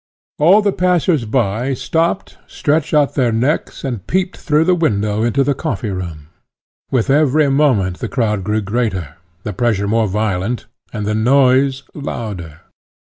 All the passers by stopt, stretched out their necks and peeped through the window into the coffee room. With every moment the crowd grew greater, the pressure more violent, and the noise louder.